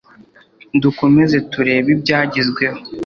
dukomeze tureba ibya gezweho